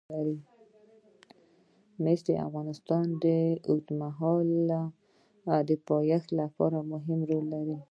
مس د افغانستان د اوږدمهاله پایښت لپاره مهم رول لري.